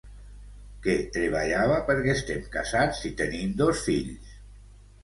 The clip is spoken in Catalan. Que treballava, perquè estem casats i tenim dos fills.